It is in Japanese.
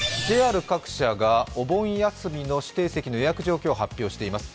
ＪＲ各社がお盆休みの指定席の予約状況を発表しています。